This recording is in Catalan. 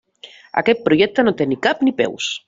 Aquest projecte no té ni cap ni peus.